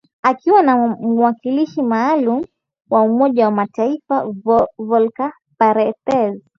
Akiwa na mwakilishi maalum wa Umoja wa mataaifa, Volker Perthes